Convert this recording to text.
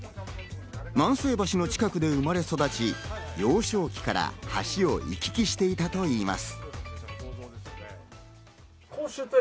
万世橋の近くで生まれ育ち、幼少期から橋を行き来していたといいます。